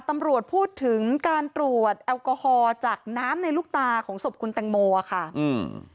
ตำรวจพูดถึงการตรวจแอลกอฮอล์จากน้ำในลูกตาของศพคุณแตงโมอ่ะค่ะอืม